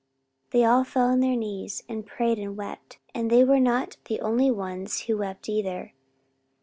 They all fell on their knees and prayed and wept and they were not the only ones who wept either.